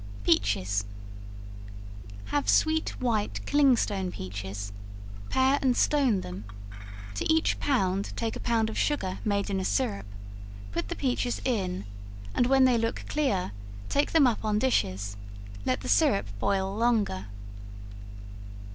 Peaches. Have sweet, white clingstone peaches pare and stone them; to each pound, take a pound of sugar made in a syrup, put the peaches in, and when they look clear, take them up on dishes; let the syrup boil longer.